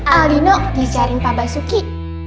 alino di jaring pabasuki